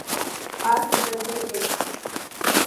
اس ګړندی دی